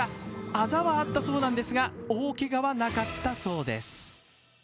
あざはあったそうなんですが、大けがはなかったそうです。